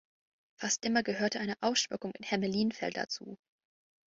Fast immer gehörte eine Ausschmückung mit Hermelinfell dazu.